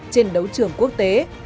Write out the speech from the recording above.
trên đấu trường quốc tế